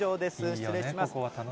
失礼します。